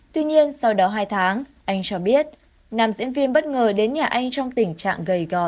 tuy nhiên sau đó hai tháng anh cho biết nam diễn viên bất ngờ đến nhà anh trong tình trạng gầy gò